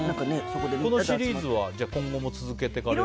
このシリーズは今後も続けていくんですか？